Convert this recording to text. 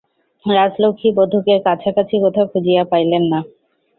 রাজলক্ষ্মী বধূকে কাছাকাছি কোথাও খুঁজিয়া পাইলেন না।